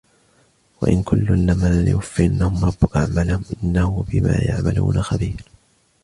وَإِنَّ كُلًّا لَمَّا لَيُوَفِّيَنَّهُمْ رَبُّكَ أَعْمَالَهُمْ إِنَّهُ بِمَا يَعْمَلُونَ خَبِيرٌ